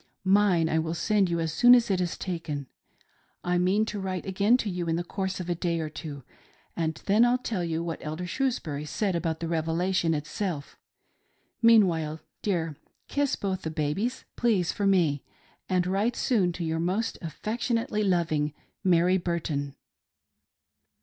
Mine I will send you as soon as it is taken. I mean to write again to you in the course of a day or two, and then I'll tell you what Elder Shrewsbury said about the Revelation itself. Meanwhile, dear, kiss both the babies, please, for me ; and write soon to your most affectionately loving, Mary Burton."